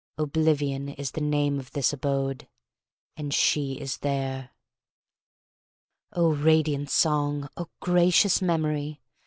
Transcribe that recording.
Oblivion is the name of this abode: and she is there." Oh, radiant Song! Oh, gracious Memory!